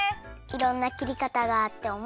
いろんなきりかたがあっておもしろい！